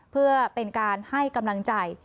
เพื่อเป็นการให้กำลังใจ